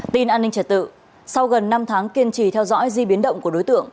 tin an ninh trật tự sau gần năm tháng kiên trì theo dõi di biến động của đối tượng